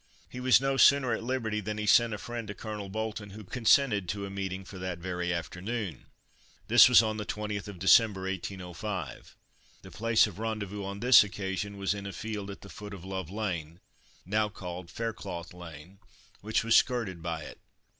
He was no sooner at liberty than he sent a friend to Colonel Bolton, who consented to a meeting for that very afternoon. This was on the 20th of December, 1805. The place of rendezvous on this occasion was in a field at the foot of Love lane (now called Fairclough lane), which was skirted by it.